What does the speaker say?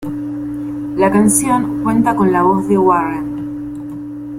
La canción cuenta con la voz de Warren.